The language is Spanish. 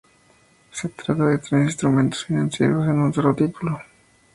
Se trata de tres instrumentos financieros en un solo título